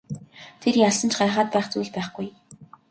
Тэр ялсан ч гайхаад байх зүйл байхгүй.